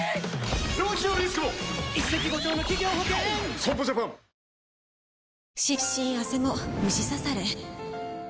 損保ジャパンわぁ！